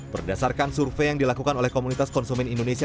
berdasarkan survei yang dilakukan oleh komunitas konsumen indonesia